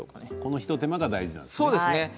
一手間が大事なんですね。